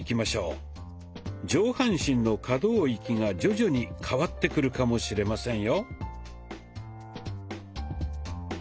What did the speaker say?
上半身の可動域が徐々に変わってくるかもしれませんよ。